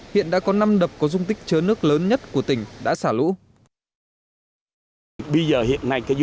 hiện đã có năm đập có dung tích chứa nước lớn nhất của tỉnh đã xả lũ